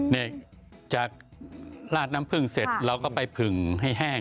นี่จากลาดน้ำผึ้งเสร็จเราก็ไปผึ่งให้แห้ง